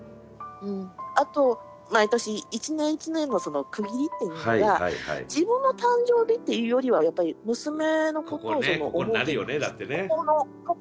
うんあと毎年１年１年のその区切りっていうのが自分の誕生日っていうよりはやっぱり娘のことをその思うというか。